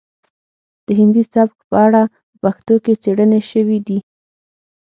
د هندي سبک په اړه په پښتو کې څیړنې شوي دي